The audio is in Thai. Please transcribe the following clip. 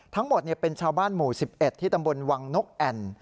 ทั้งหมดเป็นชาวบ้านหมู่๑๑ที่ตำบลวังนกแอ่น